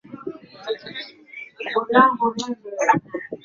ibada pamoja na Wayahudi wakazidi kuzingatia sakramenti ya Kumega